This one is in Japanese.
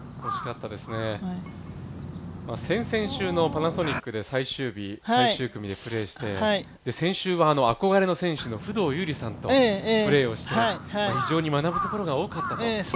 先々週のパナソニックで最終日最終組でプレーして先週は憧れの選手の不動裕理さんとプレーをして非常に学ぶところが多かったと。